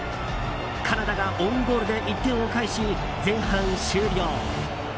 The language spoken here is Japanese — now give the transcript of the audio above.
カナダがオウンゴールで１点を返し前半終了。